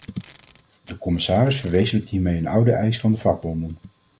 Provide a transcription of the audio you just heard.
De commissaris verwezenlijkt hiermee een oude eis van de vakbonden.